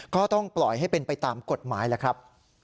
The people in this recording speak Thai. ก็ต้องปล่อยให้เป็นไปตามกฎหมายแหละครับ